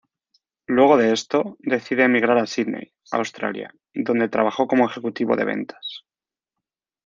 Luego de esto, decide emigrar a Sídney, Australia, donde trabajó como ejecutivo de ventas.